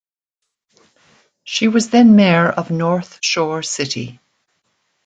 She was then mayor of North Shore City.